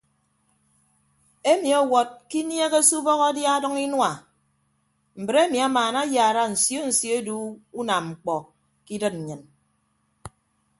Emi ọwọd ke inieeghe se ubọk adia adʌñ inua mbre emi amaana ayaara nsio nsio edu unam mkpọ ke idịd nnyịn.